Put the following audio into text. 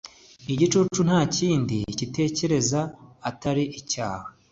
Igicucu nta kindi gitekereza atari icyaha